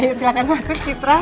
yaudah ayo silahkan masuk citra